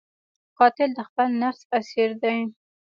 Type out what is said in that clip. قاتل د خپل نفس اسیر دی